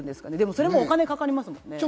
それもお金かかりますもんね。